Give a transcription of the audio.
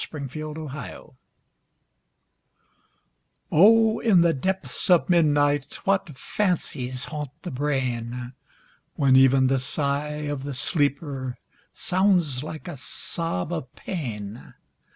IN THE DARK O In the depths of midnight What fancies haunt the brain! When even the sigh of the sleeper Sounds like a sob of pain.